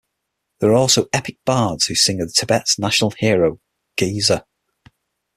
There are also epic bards who sing of Tibet's national hero Gesar.